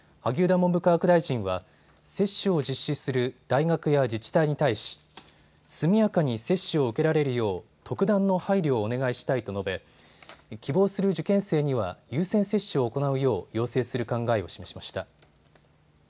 文部科学大臣は接種を実施する大学や自治体に対し、速やかに接種を受けられるよう特段の配慮をお願いしたいと述べ、希望する受験生には優先接種を行うよう要請する考えを示しました。